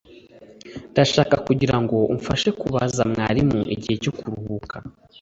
ndashaka kukugira ngo umfashe kubaza mwarimu igihe cyo kuruhuka